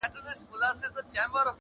سر یې کښته ځړولی وو تنها وو؛